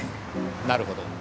なるほど。